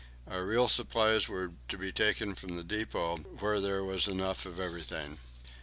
Our real supplies were to be taken from the depot, where there was enough of everything.